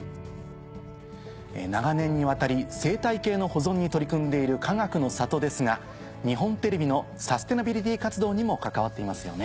長年にわたり生態系の保存に取り組んでいる「かがくの里」ですが日本テレビのサステナビリティ活動にも関わっていますよね。